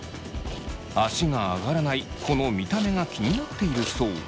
足が上がらないこの見た目が気になっているそう。